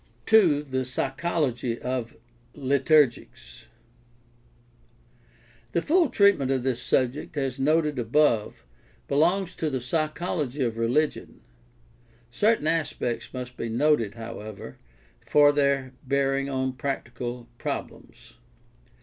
2. THE PSYCHOLOGY OF LITURGICS The full treatment of this subject, as noted above, belongs to the psychology of religion. Certain aspects must be noted, however, for their bearing on practical problems.